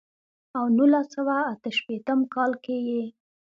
او نولس سوه اتۀ شپېتم کال کښې ئې